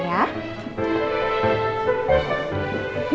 miss lanjut ya